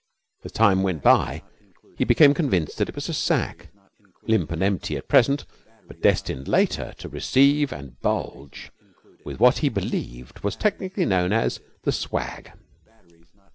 As time went by he became convinced that it was a sack, limp and empty at present, but destined later to receive and bulge with what he believed was technically known as the swag.